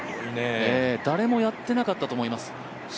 誰もやってなかったと思います。